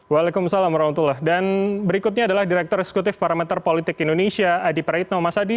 waalaikumsalam wr wb dan berikutnya adalah direktur eksekutif parameter politik indonesia adi praetno masadi